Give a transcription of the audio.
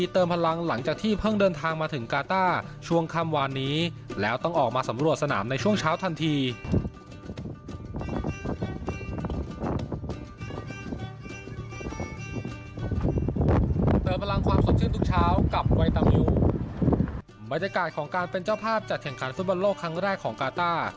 เติบพลังความสดชื่นทุกเช้ากับไวตามิวบรรยากาศของการเป็นเจ้าภาพจัดแข่งขันฟุตบันโลกครั้งแรกของกาต้า